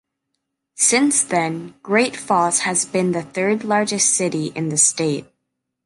Since then Great Falls has been the third largest city in the state.